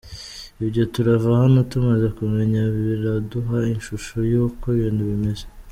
Ibyo turava hano tumaze kumenya biraduha ishusho y’uko ibintu bimeze.